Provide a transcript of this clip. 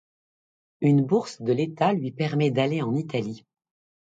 Une bourse de l’État lui permet d’aller en Italie.